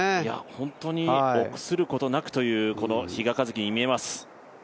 本当に臆することなくというこの比嘉一貴に見えます。